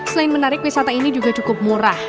selain menarik wisata ini juga cukup murah